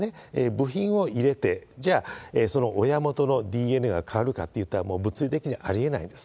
部品を入れて、じゃあ、その親元のＤＮＡは変わるかっていったら、物理的にありえないです。